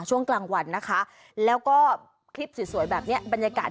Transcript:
ช่วงกลางวันนะคะแล้วก็คลิปสวยแบบเนี่ย